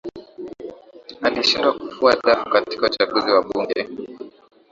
Alishindwa kufua dafu katika uchaguzi wa bunge